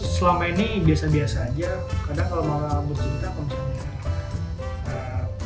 selama ini biasa biasa aja kadang kalau malah bersinta kalau misalnya